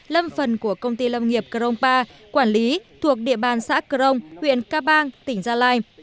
lâm phần của công ty lâm nghiệp crongpa quản lý thuộc địa bàn xã crong huyện ca bang tỉnh gia lai